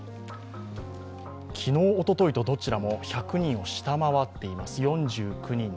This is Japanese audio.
昨日、おとといと、どちらも１００人を下回っています。